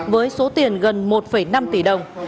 với số tiền gần một năm tỷ đồng